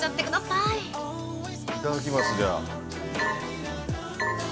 ◆いただきます、じゃあ。